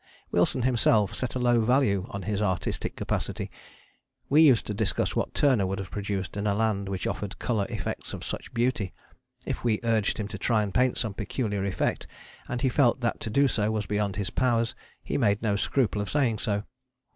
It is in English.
Wilson himself set a low value on his artistic capacity. We used to discuss what Turner would have produced in a land which offered colour effects of such beauty. If we urged him to try and paint some peculiar effect and he felt that to do so was beyond his powers he made no scruple of saying so.